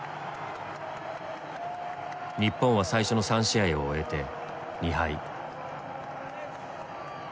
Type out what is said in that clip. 日本は最初の３試合を終えて２敗。